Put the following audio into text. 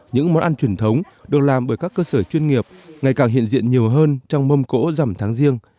những món ăn truyền thống được làm bởi các cơ sở chuyên nghiệp ngày càng hiện diện nhiều hơn trong mâm cỗ rằm tháng riêng